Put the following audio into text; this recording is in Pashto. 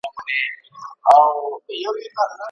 لاس تر غاړه به یاران وي ورځ یې تېره خوا په خوا سي